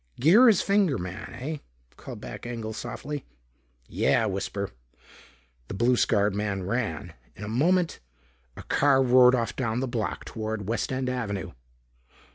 "Girra's finger man, eh?" called back Engel softly. "Yeah, Whisper." The blue scarred man ran. In a moment, a car roared off down the block toward West End Avenue.